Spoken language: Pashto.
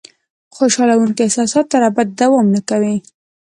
خوشالونکي احساسات تر ابده دوام نه کوي.